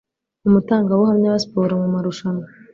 Umutangabuhamya wa siporomumarushanwa